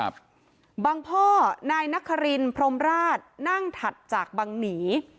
บางพ่อนายนครินพรมราชนั่งถัดจากบังหนี